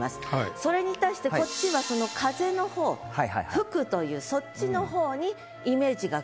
それに対してこっちは風の方「吹く」というそっちの方にイメージがくるわけです。